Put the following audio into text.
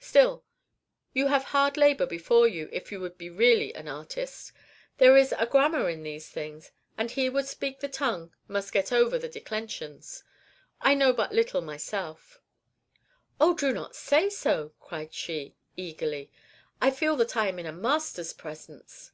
Still, you have hard labor before you, if you would be really an artist. There is a grammar in these things, and he who would speak the tongue must get over the declensions. I know but little myself " "Oh, do not say so!" cried she, eagerly; "I feel that I am in a master's presence."